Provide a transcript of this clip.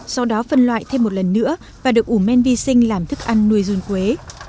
sau đó phân loại thêm một lần nữa và được ủ men vi sinh làm thức ăn nuôi dùn quế